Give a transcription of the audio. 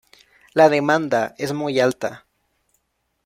La demanda es muy alta.